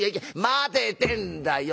待てってんだよ